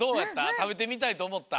たべてみたいとおもった？